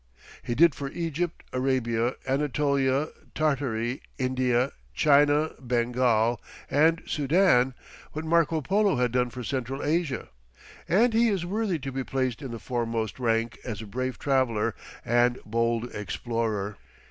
He did for Egypt, Arabia, Anatolia, Tartary, India, China, Bengal, and Soudan, what Marco Polo had done for Central Asia, and he is worthy to be placed in the foremost rank as a brave traveller and bold explorer.